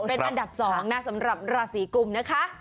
เป็นอันดับ๒นะสำหรับราศีกุมนะคะ